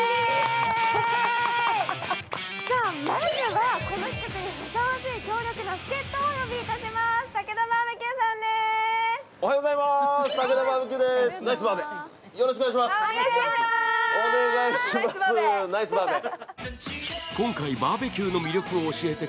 まずはこの企画にふさわしい強力な助っとをお招きします。